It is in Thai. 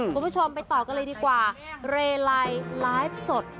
คุณผู้ชมไปต่อกันเลยดีกว่าเรไลน์ไลฟ์สด